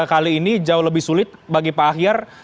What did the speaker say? kali ini jauh lebih sulit bagi pak ahyar